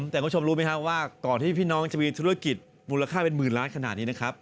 แต่คุณผู้ชมรู้ไหมครับว่าก่อนที่พี่น้องจะมีธุรกิจมูลค่าเป็นหมื่นล้านขนาดนี้นะครับ